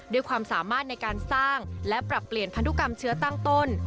ด้วยความสามารถในการสร้างและปรับเปลี่ยนพันธุกรรมเชื้อตั้งต้น